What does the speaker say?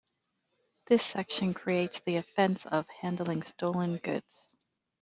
This section creates the offence of handling stolen goods.